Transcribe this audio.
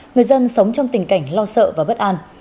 người dân sống trong tình cảnh lo sợ và bất an